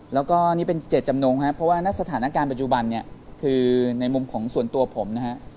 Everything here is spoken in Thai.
และก็นี่เป็น๗จำนวนเพราะว่าในสถานการณ์ปัจจุบันนี่คือในมุมส่วนตัวผมนะฮะ